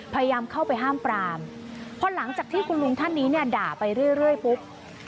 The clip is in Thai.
พยายามเข้าไปห้ามปรามพอหลังจากที่คุณลุงท่านนี้เนี่ยด่าไปเรื่อยปุ๊บ